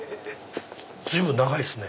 随分長いですね。